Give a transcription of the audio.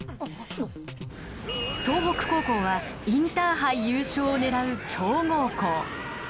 総北高校はインターハイ優勝を狙う強豪校。